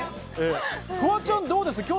フワちゃん、どうですか？